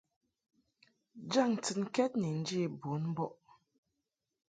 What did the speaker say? Jaŋ ntɨnkɛd ni njě bun mbɔʼ.